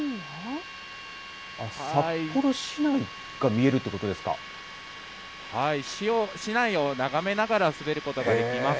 札幌市内が見えるっていうこ市内を眺めながら滑ることができます。